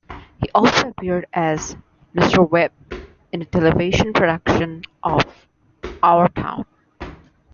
He also appeared as Mr. Webb in a television production of "Our Town".